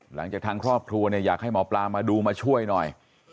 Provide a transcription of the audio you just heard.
หลังจากทางครอบครัวเนี่ยอยากให้หมอปลามาดูมาช่วยหน่อย